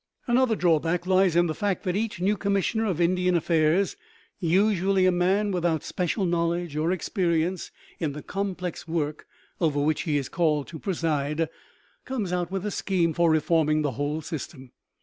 Another drawback lies in the fact that each new Commissioner of Indian Affairs, usually a man without special knowledge or experience in the complex work over which he is called to preside, comes out with a scheme for reforming the whole system.